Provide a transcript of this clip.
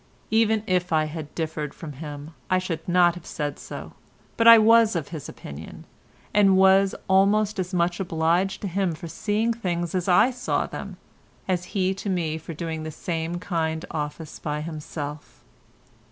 Even if I had differed from him I should not have said so, but I was of his opinion, and was almost as much obliged to him for seeing things as I saw them, as he to me for doing the same kind office by himself.